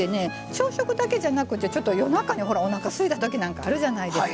朝食だけじゃなくてちょっと夜中におなかすいた時なんかあるじゃないですか。